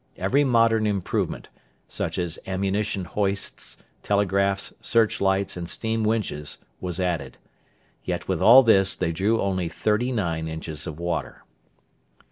Every modern improvement such as ammunition hoists, telegraphs, search lights, and steam winches was added. Yet with all this they drew only thirty nine inches of water.